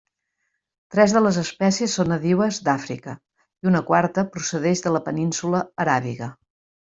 Tres de les espècies són nadiues d'Àfrica i una quarta procedeix de la Península Aràbiga.